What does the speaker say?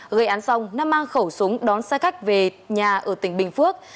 gây án xong nam mang khẩu súng đón xe khách về nhà ở tỉnh bình phước